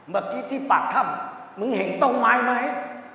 เมื่อกี้ที่ปากถ้ำมึงเห็นต้นไม้ไหม